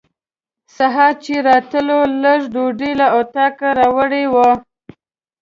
سهار چې راتلو لږه ډوډۍ له اطاقه راوړې وه.